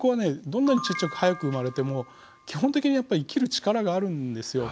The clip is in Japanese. どんなにちっちゃく早く生まれても基本的にやっぱ生きる力があるんですよ。